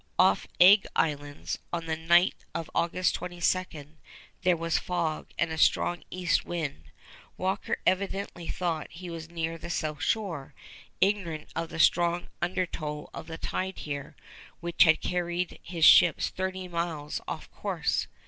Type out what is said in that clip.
Off Egg Islands, on the night of August 22, there was fog and a strong east wind. Walker evidently thought he was near the south shore, ignorant of the strong undertow of the tide here, which had carried his ships thirty miles off the course.